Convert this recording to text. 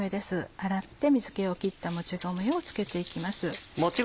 洗って水気を切ったもち米をつけていきます。